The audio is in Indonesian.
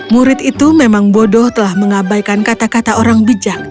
murid itu memang bodoh telah mengabaikan kata kata orang bijak